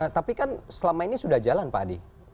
tapi kan selama ini sudah jalan pak adi